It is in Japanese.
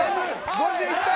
５０いった。